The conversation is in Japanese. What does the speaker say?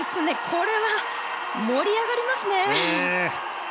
これは盛り上がりますね。